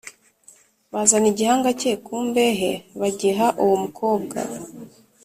Bazana igihanga cye ku mbehe bagiha uwo mukobwa